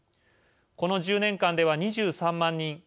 この１０年間では２３万人。